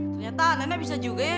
ternyata nenek bisa juga ya